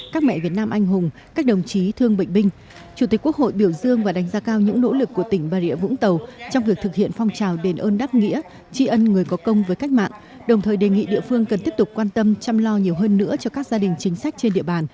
các mẹ việt nam anh hùng các đồng chí thương bệnh binh chủ tịch quốc hội biểu dương và đánh giá cao những nỗ lực của tỉnh bà rịa vũng tàu trong việc thực hiện phong trào đền ơn đáp nghĩa tri ân người có công với cách mạng đồng thời đề nghị địa phương cần tiếp tục quan tâm chăm lo nhiều hơn nữa cho các gia đình chính sách trên địa bàn